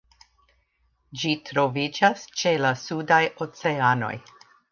Ĝi troviĝas ĉe la sudaj oceanoj.